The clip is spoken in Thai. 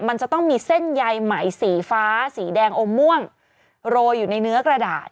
มันจะต้องมีเส้นใยไหมสีฟ้าสีแดงอมม่วงโรยอยู่ในเนื้อกระดาษ